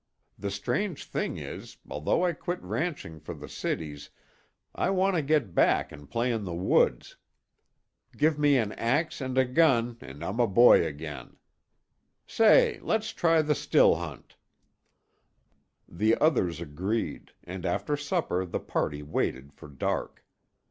"The strange thing is, although I quit ranching for the cities, I want to get back and play in the woods. Give me an ax and a gun and I'm a boy again. Say, let's try the still hunt!" The others agreed and after supper the party waited for dark.